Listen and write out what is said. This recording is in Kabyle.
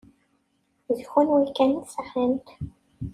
D kenwi kan i sɛant.